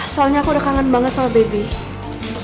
soalnya aku udah kangen banget sama baby